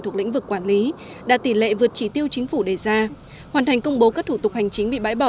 thuộc lĩnh vực quản lý đạt tỷ lệ vượt trí tiêu chính phủ đề ra hoàn thành công bố các thủ tục hành chính bị bãi bỏ